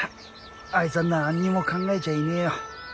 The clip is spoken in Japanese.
あいつは何にも考えちゃいねえよ。